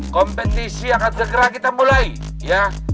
kompetisi akan segera kita mulai ya